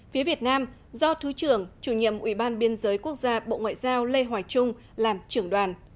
phía việt nam do thứ trưởng chủ nhiệm ủy ban biên giới quốc gia bộ ngoại giao lê hoài trung làm trưởng đoàn